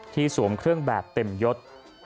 สวมเครื่องแบบเต็มยศ